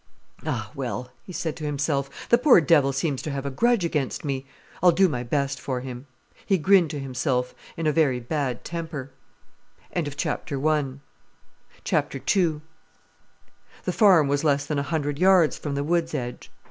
"Ah well," he said to himself; "the poor devil seems to have a grudge against me. I'll do my best for him." He grinned to himself, in a very bad temper. II The farm was less than a hundred yards from the wood's edge.